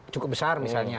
cukup besar misalnya